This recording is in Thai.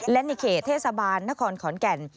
และในเขตเทศบาลนครขอนแก่น